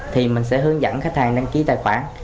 thì mình sẽ hướng dẫn khách hàng đăng ký tài khoản